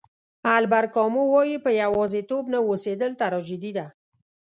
البر کامو وایي په یوازېتوب نه اوسېدل تراژیدي ده.